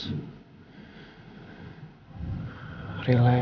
terus relaks ya